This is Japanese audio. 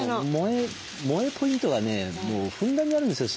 萌えポイントがねもうふんだんにあるんですよ